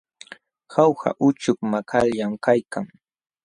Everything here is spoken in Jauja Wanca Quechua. Jauja uchuk malkallam kaykan.